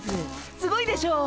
すごいでしょ。